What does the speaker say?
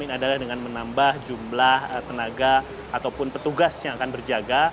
ini adalah dengan menambah jumlah tenaga ataupun petugas yang akan berjaga